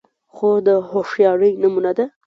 خور د هوښیارۍ نمونه ده.